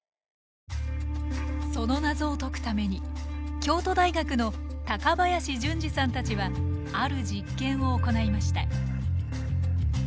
その謎を解くために京都大学の林純示さんたちはある実験を行いました。